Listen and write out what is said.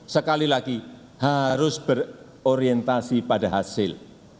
sekali lagi harus berorientasi pada hasil